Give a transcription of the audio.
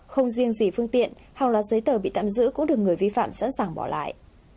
không riêng gì phương tiện hàng loạt giấy tờ bị tạm giữ cũng được người vi phạm sẵn sàng bỏ lại